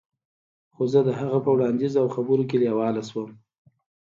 خو زه د هغه په وړاندیز او خبرو کې لیواله شوم